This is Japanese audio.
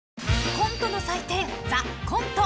［コントの祭典『ＴＨＥＣＯＮＴＥ』